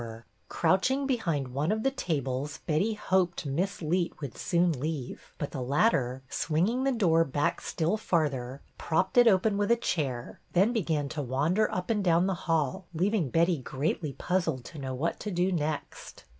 A FEAST — NEW TEACHER 167 Crouching behind one of the tables Betty hoped Miss Leet would soon leave, but the latter, swinging the door back still farther, propped it open with a chair, then began to wander up and down the hall, leaving Betty greatly puzzled to know what to do next.